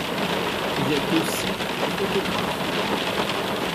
Il est aussi photographe.